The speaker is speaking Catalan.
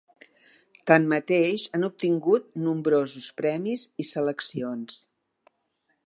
Tanmateix han obtingut nombrosos premis i seleccions.